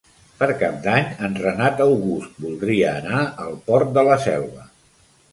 Per Cap d'Any en Renat August voldria anar al Port de la Selva.